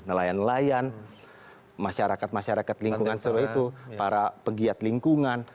nelayan nelayan masyarakat masyarakat lingkungan para pegiat lingkungan